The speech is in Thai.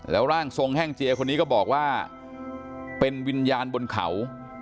แล้วร่างทรงแห้งเจียคนนี้ก็บอกว่าเป็นวิญญาณบนเขา